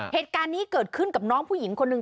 เหตุการณ์นี้เกิดขึ้นกับน้องผู้หญิงคนหนึ่ง